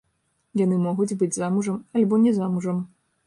Яны могуць быць замужам альбо не замужам.